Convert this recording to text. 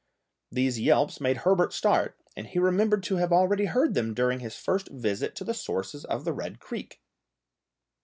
These yelps made Herbert start, and he remembered to have already heard them during his first visit to the sources of the Red Creek.